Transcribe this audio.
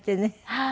はい。